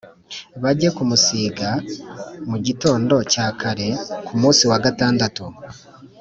bajye kumusiga h Mu gitondo cya kare ku munsi wa gatandatu